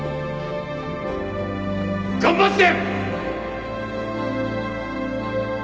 頑張って！